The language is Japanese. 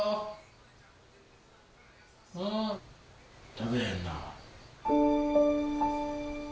食べへんな。